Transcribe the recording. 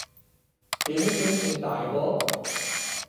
點先算大個？